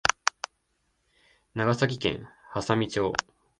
長崎県波佐見町